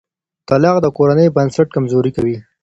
طلاق د کورنۍ بنسټ کمزوری کوي.